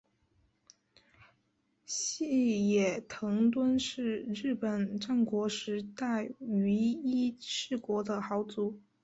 细野藤敦是日本战国时代于伊势国的豪族。